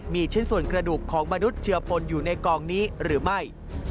มีชิ้นส่วนกระดูกของมนุษย์เจือปนอยู่ในกองนี้หรือไม่